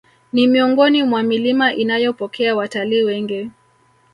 Ni miongoni mwa milima inayopokea watalii wengi